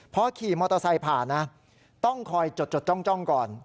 พอขี่มอเตอร์ไซค์ผ่านนะต้องคอยจดจ้องก่อน